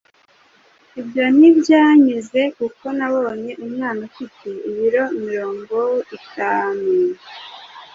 Ibyo ntibyanyuze kuko nabonye umwana ufite ibiro mirongo itanu,